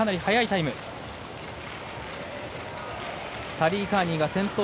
タリー・カーニー、先頭。